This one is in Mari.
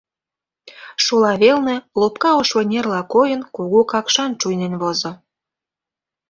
Шола велне, лопка ош вынерла койын, Кугу Какшан шуйнен возо.